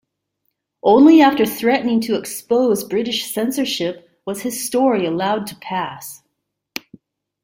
Only after threatening to expose British censorship was his story allowed to pass.